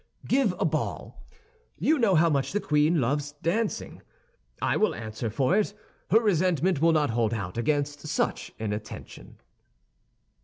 "Give a ball; you know how much the queen loves dancing. I will answer for it, her resentment will not hold out against such an attention."